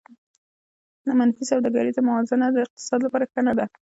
منفي سوداګریزه موازنه د اقتصاد لپاره ښه نه ده